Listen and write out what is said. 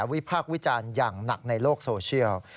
พากษ์วิจารณ์อย่างหนักในโลกโซเชียล